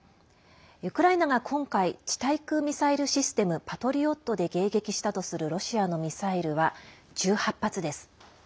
ウクライナが今回地対空ミサイルシステム「パトリオット」で迎撃したとするロシアのミサイルは１８発です。